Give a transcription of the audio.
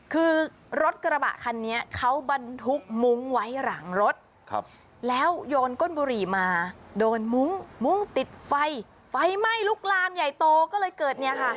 คือรถกระบะคันนี้เขาบรรทุกมุ้งไว้หลังรถแล้วโยนก้นบุหรี่มาโดนมุ้งมุ้งติดไฟไฟไหม้ลุกลามใหญ่โตก็เลยเกิดเนี่ยค่ะ